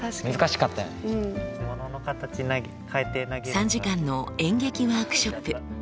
３時間の演劇ワークショップ。